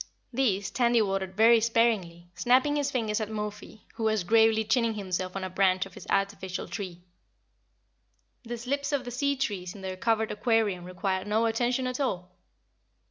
These Tandy watered very sparingly, snapping his fingers at Mo fi, who was gravely chinning himself on a branch of his artificial tree. The slips of the sea trees in their covered aquarium required no attention at all.